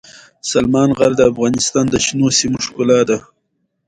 سلیمان غر د افغانستان د شنو سیمو ښکلا ده.